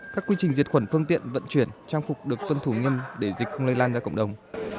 các quy trình diệt khuẩn phương tiện vận chuyển trang phục được tuân thủ nghiêm để dịch không lây lan ra cộng đồng